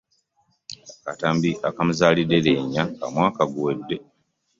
Akatambi akaamuzalidde leenya ka mwaka guwedde.